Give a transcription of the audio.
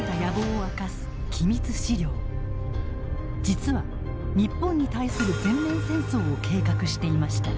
実は日本に対する全面戦争を計画していました。